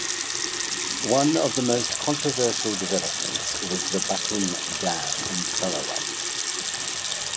One of the most controversial developments was the Bakun Dam in Sarawak.